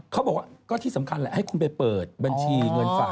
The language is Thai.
เขาบอกว่าก็ที่สำคัญแหละให้คุณไปเปิดบัญชีเงินฝาก